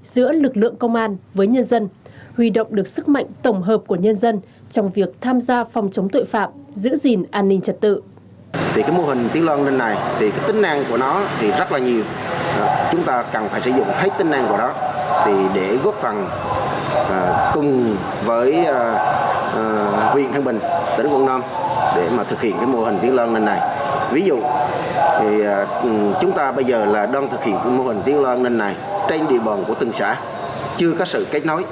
đã được lan tỏa rộng khắp huy động sức mạnh toàn dân trong bảo vệ an ninh tổ quốc